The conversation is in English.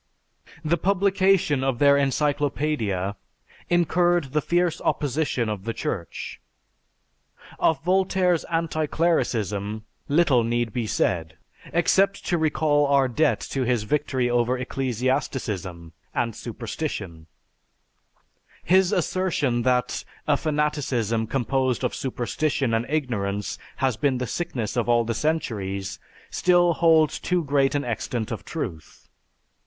The publication of their Encyclopædia incurred the fierce opposition of the Church. Of Voltaire's anti clericism little need be said, except to recall our debt to his victory over ecclesiasticism and superstition. His assertion that "a fanaticism composed of superstition and ignorance has been the sickness of all the centuries," still holds too great an extent of truth.